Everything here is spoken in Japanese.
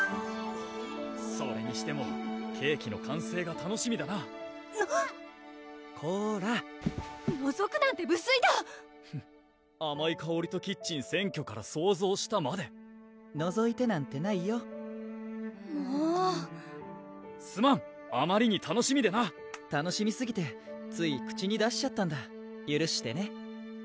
・それにしてもケーキの完成が楽しみだななっこらのぞくなんで不粋だフッあまいかおりとキッチン占拠から想像したまでのぞいてなんてないよもうすまんあまりに楽しみでな楽しみすぎてつい口に出しちゃったんだゆるしてね？